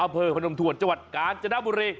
อเผลภนมถวรจวดกาลจนบุรี